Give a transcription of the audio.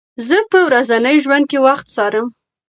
زه په ورځني ژوند کې وخت څارم.